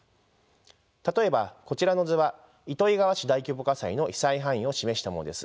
例えばこちらの図は糸魚川市大規模火災の被災範囲を示したものです。